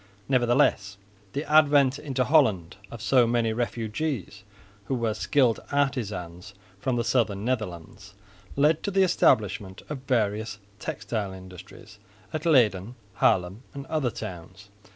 Nevertheless the advent into Holland of so many refugees who were skilled artisans, from the southern Netherlands, led to the establishment of various textile industries at Leyden, Haarlem and other towns.